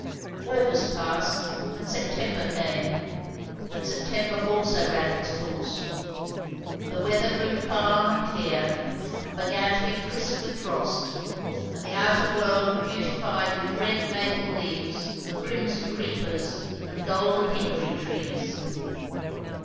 August passed, and September came. And September also ran its course. The weather grew calm and clear, and began to be crisp with frost, and the outer world beautified with red maple leaves and crimson creepers and golden hickory trees.